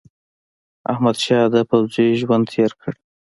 احمدشاه د پوځي ژوند تېر کړ.